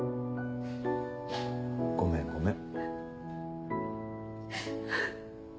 ごめんごめん。